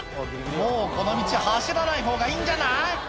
もうこの道走らない方がいいんじゃない？